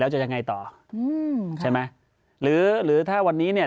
แล้วจะยังไงต่ออืมใช่ไหมหือหรือถ้าอย่างนี้เนี่ย